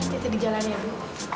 nanti di jalan ya bu